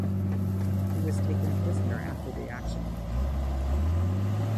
He was taken prisoner after the action.